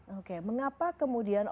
oke mengapa kemudiannya